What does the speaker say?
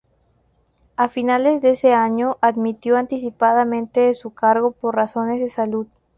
A finales de ese año, dimitió anticipadamente de su cargo por razones de salud.